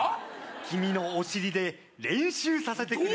君のお尻で練習させてくれ。